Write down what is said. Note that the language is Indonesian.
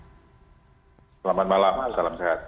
selamat malam salam sehat